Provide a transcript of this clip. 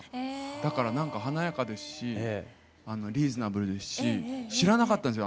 だから何か華やかですしリーズナブルですし知らなかったんですよ